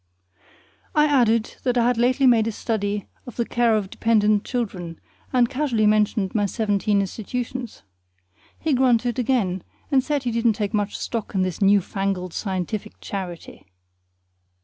I added that I had lately made a study of the care of dependent children, and casually mentioned my seventeen institutions. He grunted again, and said he didn't take much stock in this new fangled scientific charity.